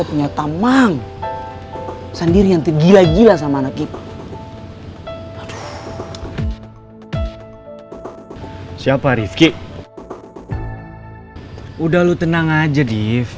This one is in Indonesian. punya tamang sendiri yang tergila gila sama anak kita siapa rifki udah lu tenang aja di